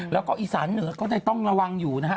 แล้วก็อีสานเหนือก็ได้ต้องระวังอยู่นะฮะ